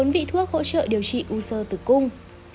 bốn vị thuốc hỗ trợ điều trị u sơ tử cung